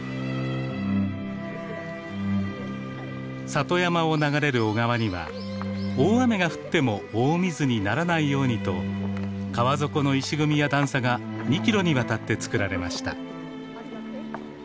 里山を流れる小川には大雨が降っても大水にならないようにと川底の石組みや段差が２キロにわたってつくられました。